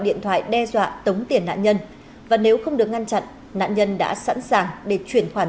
điện thoại đe dọa tống tiền nạn nhân và nếu không được ngăn chặn nạn nhân đã sẵn sàng để chuyển khoản